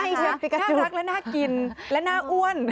ดูแต่บก่อนน่ารักและน่ากินและน่าอ้วน